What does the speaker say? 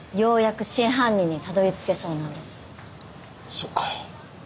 そっか。